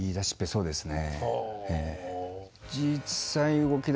そうですね。